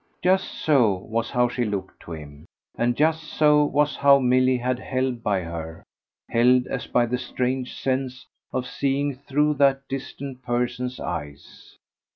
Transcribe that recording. Just so was how she looked to him, and just so was how Milly was held by her held as by the strange sense of seeing through that distant person's eyes.